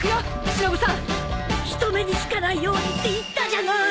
人目につかないようにって言ったじゃない。